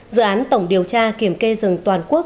dự án tổng điều tra kiểm kê rừng toàn quốc